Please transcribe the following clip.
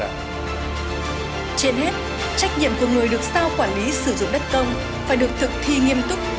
trên hết trách nhiệm của người được sao quản lý sử dụng đất công phải được thực thi nghiêm túc